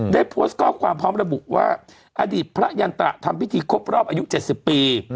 ได้โพสต์ข้อความพร้อมระบุว่าอดีตพระยันตระทำพิธีครบรอบอายุ๗๐ปี